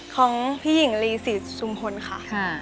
ของผู้หญิงลีศีรสุมศลค่ะ